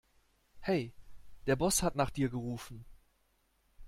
Hey, der Boss hat nach dir gerufen.